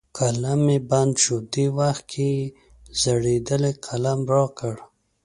قلم مې بند شو، دې وخت کې یې زړېدلی قلم را کړ.